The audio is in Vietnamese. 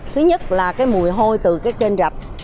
thứ nhất là mùi hôi từ trên rạp